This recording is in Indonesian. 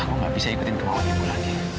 aku gak bisa ikutin kemauan ibu lagi